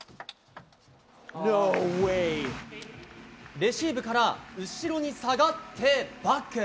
レシーブから後ろに下がってバック。